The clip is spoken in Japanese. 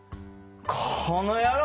この野郎！